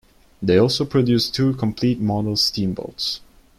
They also produced two complete model steam boats.